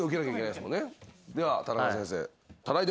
ではタナカ先生。